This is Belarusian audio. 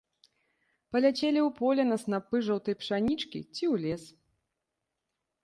— паляцелі ў поле на снапы жоўтай пшанічкі ці ў лес.